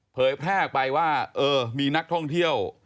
เผยแพร่ออกไปว่าเออมีนักท่องเที่ยว